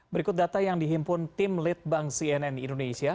berikut data yang dihimpun tim lead bank cnn indonesia